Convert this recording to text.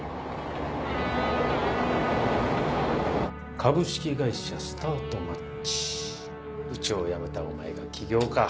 「株式会社スタートマッチ」うちを辞めたお前が起業か。